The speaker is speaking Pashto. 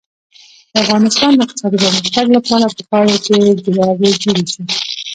د افغانستان د اقتصادي پرمختګ لپاره پکار ده چې جرابې جوړې شي.